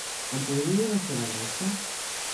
Em podria dir la seva adreça?